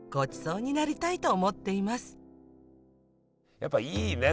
やっぱいいね